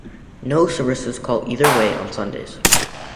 No services call either way on Sundays.